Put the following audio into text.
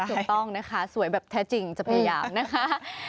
ถูกต้องนะคะสวยแบบแท้จริงจะพยายามนะคะ